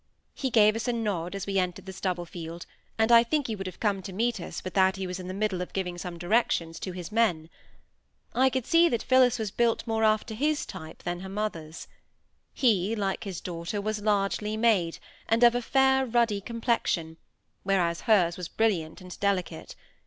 He gave us a nod as we entered the stubble field; and I think he would have come to meet us but that he was in the middle of giving some directions to his men. I could see that Phillis was built more after his type than her mother's. He, like his daughter, was largely made, and of a fair, ruddy complexion, whereas hers was brilliant and delicate.